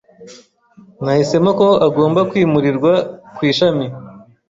Nahisemo ko agomba kwimurirwa ku ishami.